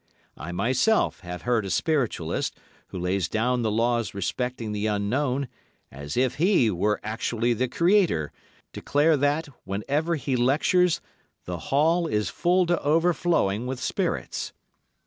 I, myself, have heard a Spiritualist, who lays down the laws respecting the Unknown, as if he were actually the Creator, declare that, whenever he lectures, the hall is full to overflowing with spirits.